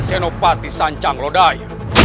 senopati sancang lodaya